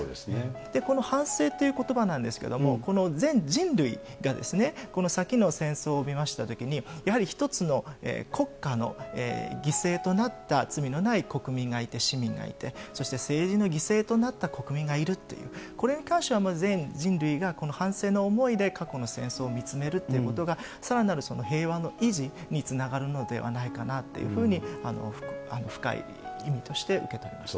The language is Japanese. この反省ということばなんですけれども、全人類がこの先の戦争を見ましたときに、やはり一つの国家の犠牲となった罪のない国民がいて、市民がいて、そして政治の犠牲となった国民がいるという、これに関しては全人類が反省の思いで過去の戦争を見つめるということが、さらなる平和の維持につながるのではないかなというふうに、深い意味として受け取りました。